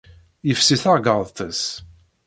Yefsi taɣeggaḍt-is.